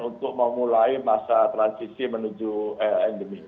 untuk memulai masa transisi menuju endemi